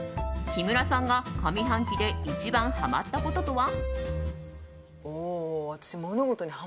木村さんが上半期で一番ハマったこととは？